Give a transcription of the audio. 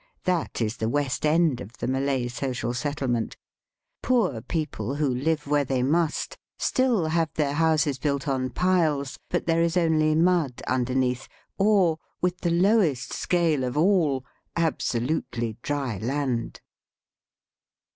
That is the West End of the Malay social settlement. Poor people, who live where they must, still have their houses built on piles, but there is only mud underneath, or, with the lowest scale of all, absolutely dry land.